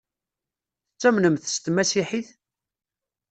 Tettamnemt s tmasiḥit?